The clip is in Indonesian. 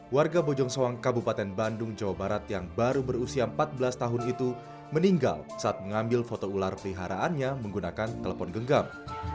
warga bojong soang kabupaten bandung jawa barat yang baru berusia empat belas tahun itu meninggal saat mengambil foto ular peliharaannya menggunakan telepon genggam